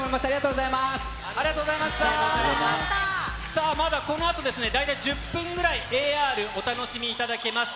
さあ、まだこのあとですね、大体１０分ぐらい、ＡＲお楽しみいただけます。